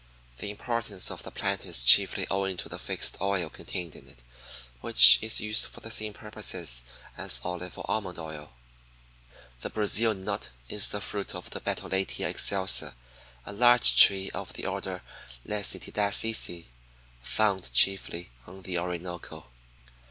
The importance of the plant is chiefly owing to the fixed oil contained in it, which is used for the same purposes as olive or almond oil. 3. The Brazil nut is the fruit of the Bertholletia excelsa, a large tree of the order Lecythidaceæ, found chiefly on the Orinoco.